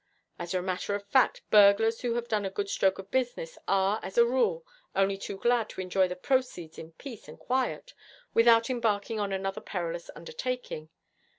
As a matter of fact, burglars who have done a good stroke of business are, as a rule, only too glad to enjoy the proceeds in peace and quiet without embarking on another perilous undertaking.